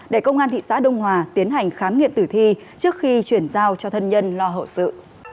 để công an thị xã đông hòa tiến hành khám nghiệm tử thi trước khi chuyển giao cho thân nhân lo hậu sự